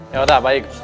ya udah baik